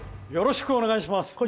よろしくお願いします！